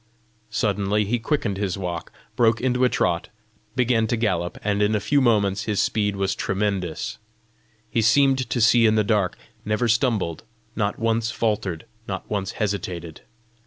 Suddenly he quickened his walk; broke into a trot; began to gallop, and in a few moments his speed was tremendous. He seemed to see in the dark; never stumbled, not once faltered, not once hesitated.